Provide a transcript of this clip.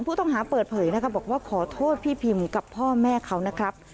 ผู้ต้องหาเปิดเผยนะคะบอกว่าขอโทษพี่พิมกับพ่อแม่เขานะครับ